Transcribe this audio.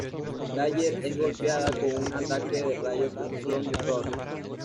Dagger es golpeada con un ataque de rayo por un clon de Thor.